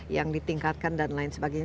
yang ditingkatkan dan lain sebagainya